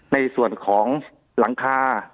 ในส่วนของหลังคา